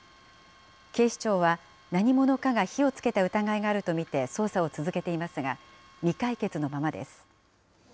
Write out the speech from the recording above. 警視庁は、何者かが火をつけた疑いがあると見て捜査を続けていますが、未解決のままです。